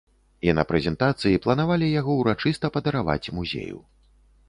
І на прэзентацыі планавалі яго ўрачыста падараваць музею.